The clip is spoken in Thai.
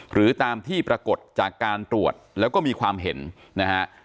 หรือตามที่ปรากฏจากการตรวจแล้วก็มีความเห็นนะฮะ